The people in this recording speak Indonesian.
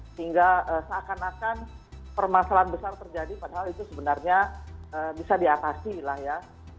sehingga seakan akan permasalahan besar terjadi padahal itu sebenarnya bisa diatasi lah ya